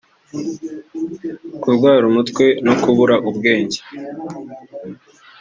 kurwara umutwe no kubura ubwenge